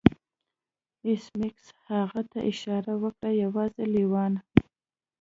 ایس میکس هغه ته اشاره وکړه یوازې لیوان